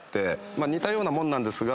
似たようなもんなんですが。